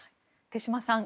手嶋さん